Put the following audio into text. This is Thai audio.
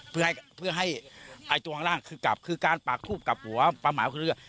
เพื่อให้ให้ตัวข้างล่างคือกลับคือการปากทูบกลับหัวปลาหมายของเครือ